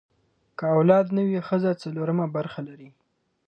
که اولاد نه وي، ښځه څلورمه برخه لري.